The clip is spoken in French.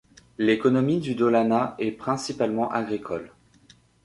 L'économie du Dhaulana est principalement agricole.